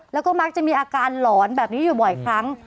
แล้วก็มักจะมีอาการหลอนแบบนี้อยู่บ่อยครั้ง